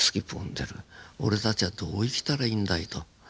俺たちはどう生きたらいいんだいと。